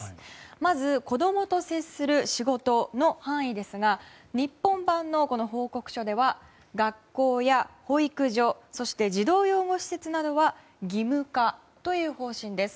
まず子供と接する仕事の範囲ですが日本版の報告書では学校、保育所そして、児童養護施設などは義務化という方針です。